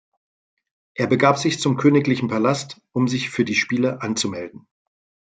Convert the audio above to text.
Er begab sich zum königlichen Palast, um sich für die Spiele anzumelden.